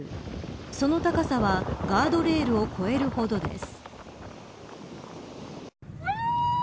その高さはガードレールを超えるほどです。